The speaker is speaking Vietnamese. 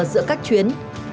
giữa các tuyến này